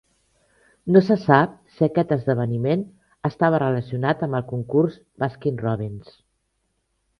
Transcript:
No se sap si aquest esdeveniment estava relacionat amb el concurs Baskin-Robbins.